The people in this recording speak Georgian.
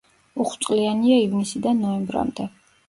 უხვწყლიანია ივნისიდან ნოემბრამდე.